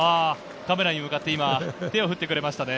カメラに向かって手を振ってくれました。